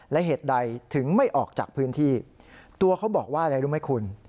และเหตุใดถึงไม่ออกจากพื้นที่ตัวเขาบอกว่าอะไรรู้ไหมคุณ